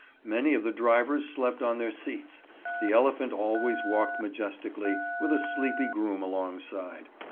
Many of the drivers slept on their seats. The elephant always walked majestically, with a sleepy groom alongside.